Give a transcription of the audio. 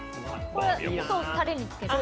これ、たれにつけて？